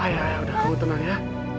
ayah ayah udah kamu tenang ya